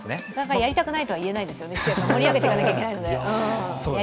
やりたくないとは言えないですよね、盛り上げないといけないので。